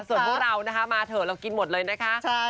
ส่วนพวกเรานะคะมาเถอะเรากินหมดเลยนะคะ